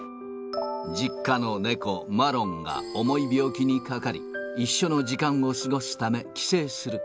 実家の猫、マロンが重い病気にかかり、一緒の時間を過ごすため、帰省する。